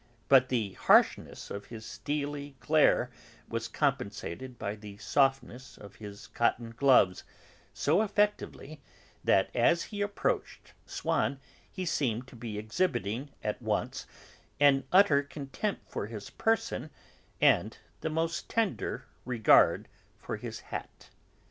But the harshness of his steely glare was compensated by the softness of his cotton gloves, so effectively that, as he approached Swann, he seemed to be exhibiting at once an utter contempt for his person and the most tender regard for his hat.